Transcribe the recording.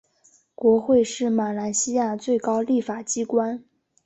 国会是马来西亚最高立法机关。